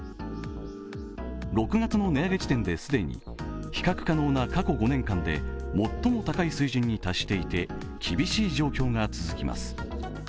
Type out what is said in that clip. ６月の値上げ時点で既に比較可能な過去５年間で最も高い水準に達していて厳しい状況が続きます。